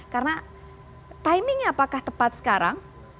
karena timingnya apakah tepat sekarang